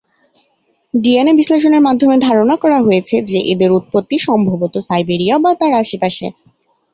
DNA বিশ্লেষণের মাধ্যমে ধারণা করা হয়েছে যে এদের উৎপত্তি সম্ভবত সাইবেরিয়া বা তার আশেপাশে।